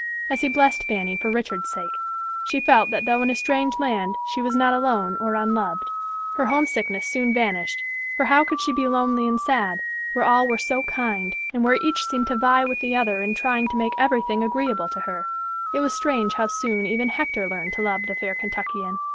As he blessed Fanny for Richard's sake, she felt that though in a strange land, she was not alone or unloved. Her homesickness soon vanished; for how could she be lonely and sad, where all were so kind, and where each seemed to vie with the other in trying to make everything agreeable to her. It was strange how soon even Hector learned to love the fair Kentuckian.